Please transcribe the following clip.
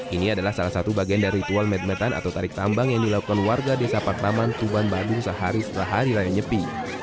ini adalah salah satu bagian dari ritual medmetan atau tarik tambang yang dilakukan warga desa pakraman tuban badung sehari setelah hari raya nyepi